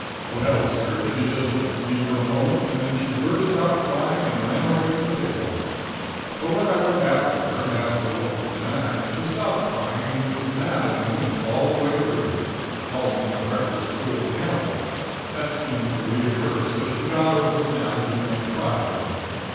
Well sir, she just looked at me for a moment, and then she burst out crying and ran away from the table. But when I went after her and asked her what was the matter, she stopped crying and was mad in a minute all the way through. Called me a heartless, cruel cannibal. That seemed to relieve her so that she got over her mad and began to cry again.